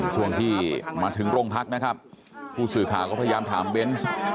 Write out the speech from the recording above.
ช่วงที่มาถึงโรงพักนะครับผู้สื่อข่าวก็พยายามถามเบนส์